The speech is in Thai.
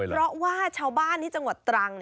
เพราะว่าชาวบ้านที่จังหวัดตรัง